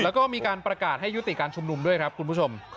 แล้วก็มีการประกาศให้ยุติการชุมนุมด้วยครับคุณผู้ชม